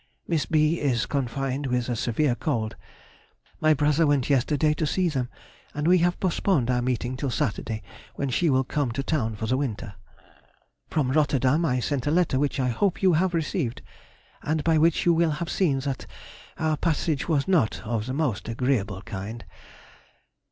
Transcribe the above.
Miss B. is confined with a severe cold. My brother went yesterday to see them, and we have postponed our meeting till Saturday, when she will come to town for the winter. From Rotterdam I sent a letter which I hope you have received, and by which you will have seen that our passage was not of the most agreeable kind.